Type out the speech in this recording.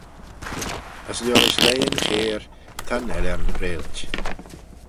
As liorish leighyn chair ta'n Ellan reilt.